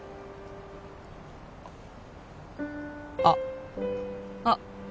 あっあっ